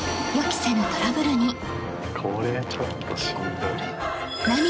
これちょっとしんどい。